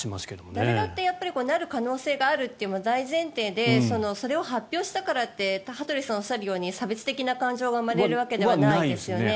誰だってなる可能性があるのは大前提でそれを発表したからって羽鳥さんがおっしゃるように差別的な感情が生まれるわけではないですよね。